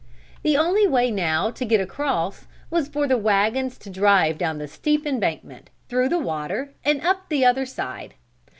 The only way now to get across was for the wagons to drive down the steep embankment, through the water and up the other side.